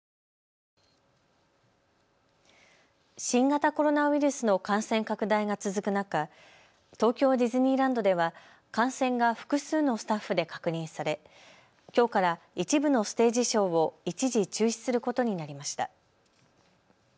新型コロナウイルスの感染拡大が続く中、東京ディズニーランドでは感染が複数のスタッフで確認されきょうから一部のステージショーを一時中止することになりました。